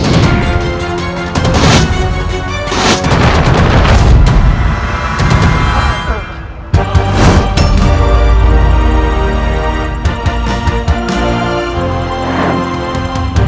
ibu merah emerite